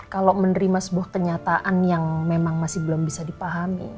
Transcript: kalau menerima sebuah kenyataan yang memang masih belum bisa dipahami